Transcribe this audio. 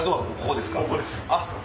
あっ。